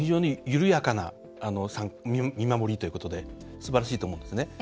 非常に緩やかな見守りということですばらしいと思いますね。